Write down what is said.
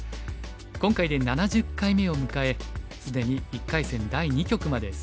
今回で７０回目を迎え既に１回戦第２局まで進んでいます。